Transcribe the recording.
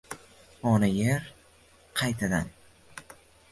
Ona-Yer qaytadan